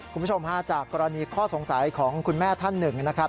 คุณผู้ชมฮาจากกรณีข้อสงสัยของคุณแม่ท่านหนึ่งนะครับ